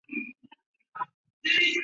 唐肃宗的驸马。